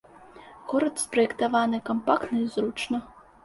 Горад спраектаваны кампактна і зручна.